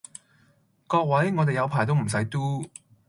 各位，我地有排都唔使 do